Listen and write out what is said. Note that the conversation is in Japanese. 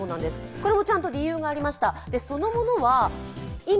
これもちゃんと理由がありました。